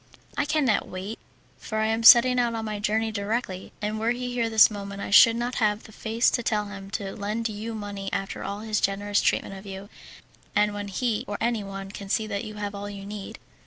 "I cannot wait, for I am setting out on my journey directly, and were he here this moment I should not have the face to tell him to lend you money after all his generous treatment of you, and when he or anyone can see that you have all you need."